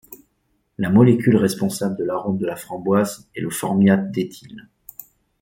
La molécule responsable de l'arôme de la framboise est le formiate d'éthyle.